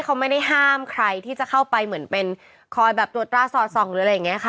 เขาไม่ได้ห้ามใครที่จะเข้าไปเหมือนเป็นคอยแบบตรวจตราสอดส่องหรืออะไรอย่างนี้ค่ะ